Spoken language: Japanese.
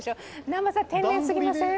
南波さん、天然すぎません？